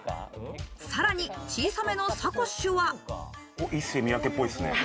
さらに小さめのサコッシュは。